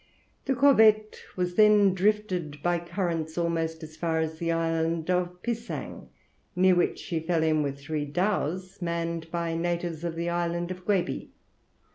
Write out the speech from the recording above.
The corvette was then drifted by currents almost as far as the island of Pisang, near which she fell in with three dhows, manned by natives of the island of Gueby.